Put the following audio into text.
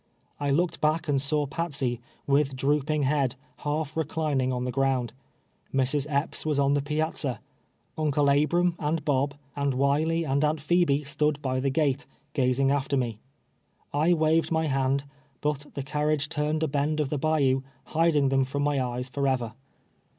I looked back and saw Patsey, with drooping head, half reclining on the ground ; Mrs. Epps was on the piazza ; Uncle Abram, and Bob, and AViley, and Aunt Phebe stood by the gate, gazing after me. I waved my hand, but the carriage turned a bend of the bayou, hiding them from my eyes forever.